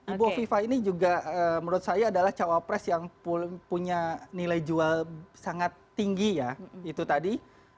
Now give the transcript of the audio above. ibu hovifah ini juga menurut saya adalah cawapres yang punya nilai jual sangat tinggi ya itu tadi